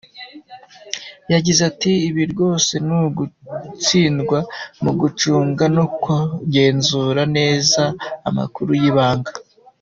Yagize ati : “Ibi rwose ni ugutsindwa mu gucunga no kugenzura neza amakuru y’ibanga”.